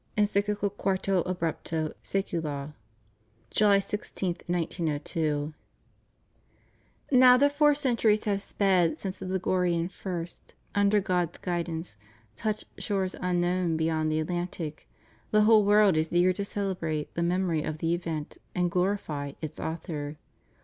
Enq^dical Quarto Abrwpto Scvculo, July 16, 1902. t^ Now that four centuries have sped since a Ligurian first, ' under God's guidance, touched shores unknown beyond the Atlantic, the whole world is eager to celebrate the memory of the event, and glorify its author.